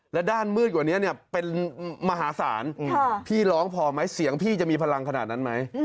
และด้านมืดกว่านี้เนี่ยเป็นมหาศาลพี่ร้องพอไหมเสียงพี่จะมีพลังขนาดนั้นไหม